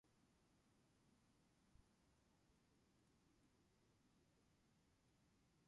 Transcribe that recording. Several freight operators have since received access permissions for the Belgian network.